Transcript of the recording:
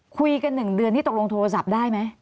คุยกัน๑เดือนนี่ตกลงโทรศัพท์ได้ไหม